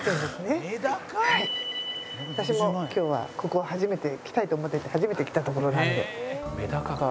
私も今日はここ初めて。来たいと思ってて初めて来た所なので。